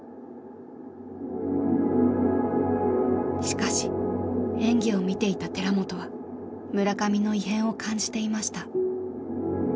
しかし演技を見ていた寺本は村上の異変を感じていました。